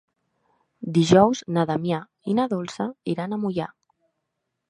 Dijous na Damià i na Dolça iran a Moià.